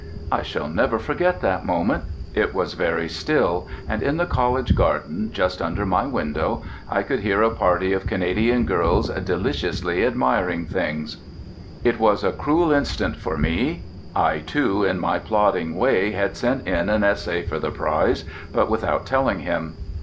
I shall never forget that moment. It was very still, and in the college garden, just under my window, I could hear a party of Canadian girls deliciously admiring things. It was a cruel instant for me. I, too, in my plodding way, had sent in an essay for the prize, but without telling him.